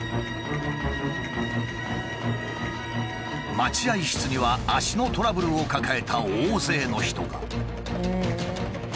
待合室には脚のトラブルを抱えた大勢の人が。